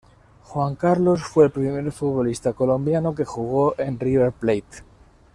Juan Carlos fue el primer futbolista colombiano que jugó en River Plate.